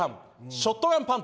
ショットガンパンティ